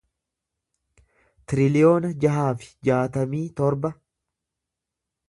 tiriliyoona jaha fi jaatamii torba